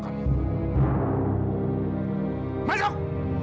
tahan emosinya ya pak